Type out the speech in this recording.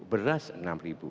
beras enam ribu